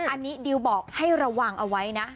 อันนี้ดิวบอกให้ระวังเอาไว้นะ